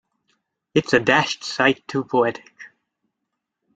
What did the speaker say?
It's a dashed sight too poetic.